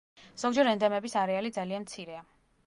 ზოგჯერ ენდემების არეალი ძალიან მცირეა.